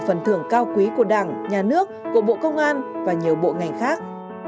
đây là một thưởng cao quý của đảng nhà nước của bộ công an và nhiều bộ ngành khác